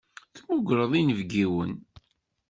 Temmugreḍ inebgiwen.